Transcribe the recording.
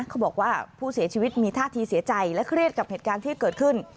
เขาบอกว่าผู้เสียชีวิตมีท่าทีเสียใจและเครียดกับเหตุการณ์ที่เกิดขึ้น